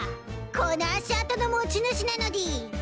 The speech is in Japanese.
この足跡の持ち主なのでぃす！